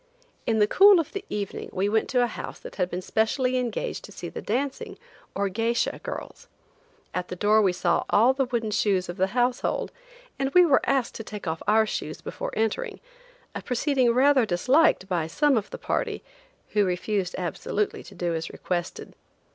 In the cool of the evening we went to a house that had been specially engaged to see the dancing, or geisha, girls. At the door we saw all the wooden shoes of the household, and we were asked to take off our shoes before entering, a proceeding rather disliked by some of the party, who refused absolutely to do as requested.